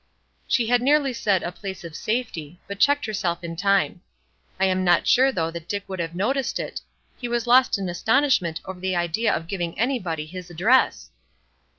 She had nearly said a place of safety, but checked herself in time. I am not sure, though, that Dick would have noticed it; he was lost in astonishment over the idea of giving anybody his address!